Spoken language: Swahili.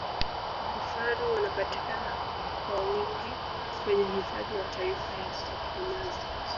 vifaru wanapatikana kwa wingi kwenye hifadhi ya taifa ya mkomazi